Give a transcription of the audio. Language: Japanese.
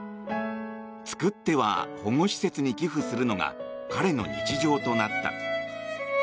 作っては保護施設に寄付するのが彼の日常となった。